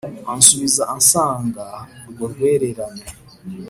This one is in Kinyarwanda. ansubiza asanga urwo rwererane,